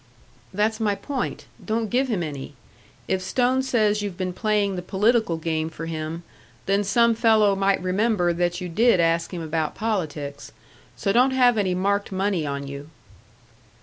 "That's my point don't give him any. If Stone says you've been playing the political game for him, then some fellow might remember that you did ask him about politics. So don't have any marked money on you."